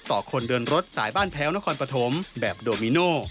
คนเดินรถสายบ้านแพ้วนครปฐมแบบโดมิโน